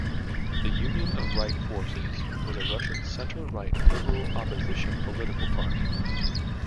The Union of Right Forces was a Russian centre-right liberal opposition political party.